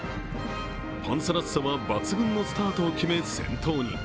パンサラッサは抜群のスタートを決め、先頭に。